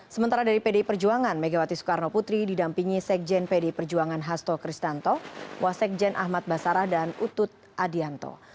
sementara dari pdi perjuangan megawati soekarno putri didampingi sekjen pd perjuangan hasto kristanto wasekjen ahmad basarah dan utut adianto